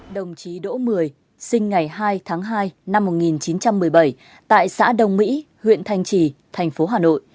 đồng chí đỗ mười sinh ngày hai tháng hai năm một nghìn chín trăm một mươi bảy tại xã đồng mỹ huyện thanh trì thành phố hà nội